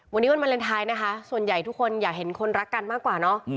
วันนี้วันวาเลนไทยนะคะส่วนใหญ่ทุกคนอยากเห็นคนรักกันมากกว่าเนอะ